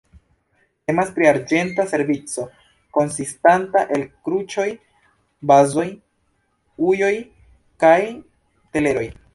Temas pri arĝenta servico konsistanta el kruĉoj, vazoj, ujoj kaj teleroj.